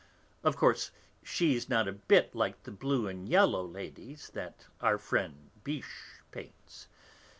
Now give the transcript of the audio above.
Of course, she's not a bit like the blue and yellow ladies that our friend Biche paints.